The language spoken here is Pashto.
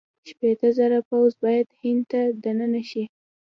شپېته زره پوځ باید هند ته دننه شي.